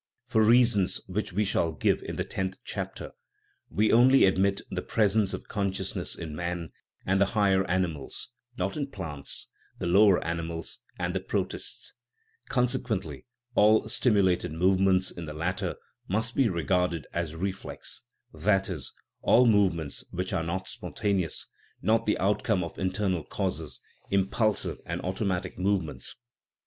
For reasons which we shall give in the tenth chapter we only ad mit the presence of consciousness in man and the higher animals, not in plants, the lower animals, and the protists; consequently all stimulated movements in the latter must be regarded as reflex that is, all movements which are not spontaneous, not the out come of internal causes (impulsive and automatic movements).